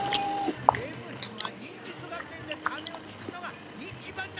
ヘムヘムは忍術学園で鐘をつくのが一番なんじゃ！